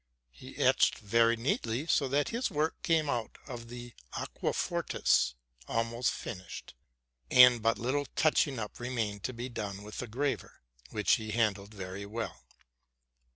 He etched very neatly, so that his work came out of the aquafortis almost finished; and but RELATING TO MY LIFE. att little touching up remained to be done with the graver, which he handled very well.